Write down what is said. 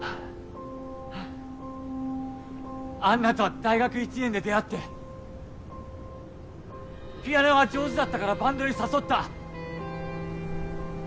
安奈とは大学１年で出会ってピアノが上手だったからバンドに誘った。